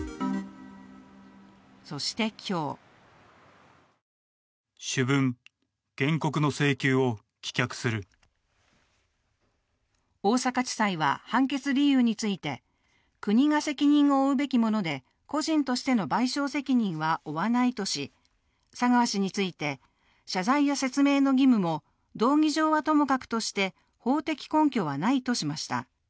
そして、今日大阪地裁は、判決理由について国が責任を負うべきもので個人としての賠償責任は負わないとし佐川氏について謝罪や説明の義務も道義上はともかくとして、法的根拠はないとしました。